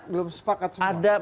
belum sepakat semua menurut saya